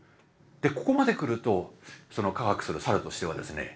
ここまで来ると「科学する猿」としてはですね